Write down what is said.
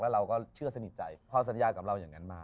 เราก็เชื่อสนิทใจพอสัญญากับเราอย่างนั้นมา